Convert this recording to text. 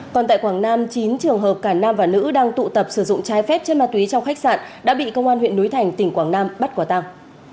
còn tại quảng nam chín trường hợp cả nam và nữ đang tụ tập sử dụng trái phép trên ma túy trong khách sạn đã bị công an huyện núi thành tỉnh quảng nam bắt quả tàng